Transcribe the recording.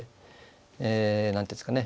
え何て言うんですかね。